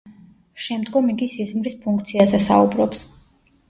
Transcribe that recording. შემდგომ იგი სიზმრის ფუნქციაზე საუბრობს.